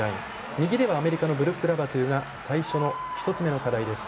右では、アメリカのブルック・ラバトゥが最初の１つ目の課題です。